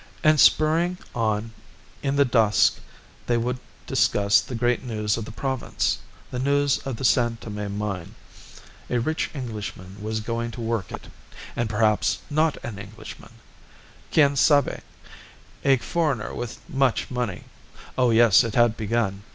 And spurring on in the dusk they would discuss the great news of the province, the news of the San Tome mine. A rich Englishman was going to work it and perhaps not an Englishman, Quien sabe! A foreigner with much money. Oh, yes, it had begun.